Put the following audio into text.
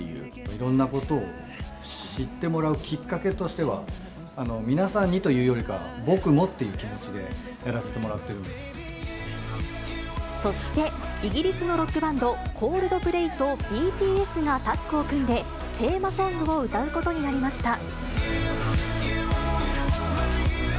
いろんなことを知ってもらうきっかけとしては、皆さんにというよりかは、僕もっていう気持ちそして、イギリスのロックバンド、コールドプレイとＢＴＳがタッグを組んで、テーマソングを歌うことになりました。